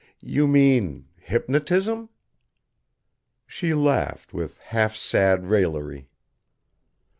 "You mean hypnotism?" She laughed with half sad raillery.